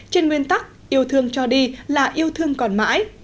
trên nguyên tắc yêu thương cho đi là yêu thương còn mãi